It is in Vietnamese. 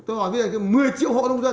tôi hỏi bây giờ một mươi triệu hộ nông dân